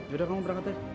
yaudah kamu berangkat aja